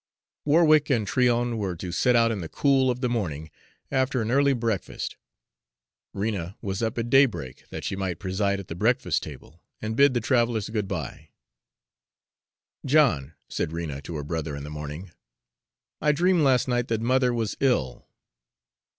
Warwick and Tryon were to set out in the cool of the morning, after an early breakfast. Rena was up at daybreak that she might preside at the breakfast table and bid the travelers good by. "John," said Rena to her brother in the morning, "I dreamed last night that mother was ill."